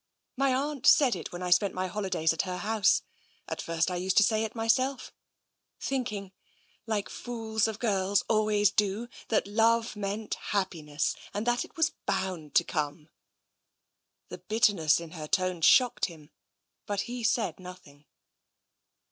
My aunt said it, when I spent my holidays at her house. At first I used to say it myself — thinking, like fools of girls always do, that love meant happiness and that it was bound to come." The bitterness in her tone shocked him, but he said nothing.